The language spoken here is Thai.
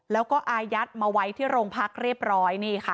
แล้วก็อายัดมาไว้ที่โรงพักเรียบร้อยนี่ค่ะ